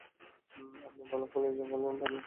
আপনি ভালহোলেই যাবেন, আমি তা জানি।